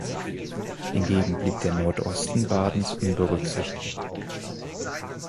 Hingegen blieb der Nordosten Badens unberücksichtigt.